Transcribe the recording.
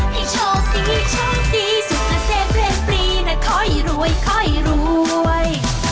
ให้โชคดีโชคดีสุขเศษเพลงปรีนะขอให้รวยขอให้รวย